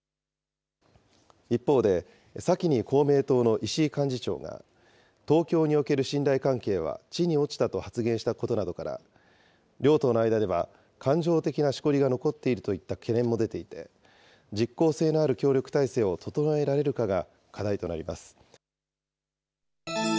一方で、先に公明党の石井幹事長が、東京における信頼関係は地に落ちたと発言したことなどから、両党の間では感情的なしこりが残っているといった懸念も出ていて、実効性のある協力態勢を整えられるかが課題となります。